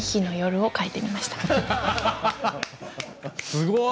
すごい！